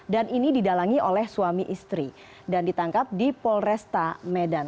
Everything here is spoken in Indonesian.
dan ini didalangi oleh suami istri dan ditangkap di polresta medan